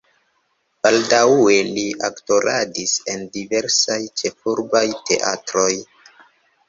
Baldaŭe li aktoradis en diversaj ĉefurbaj teatroj.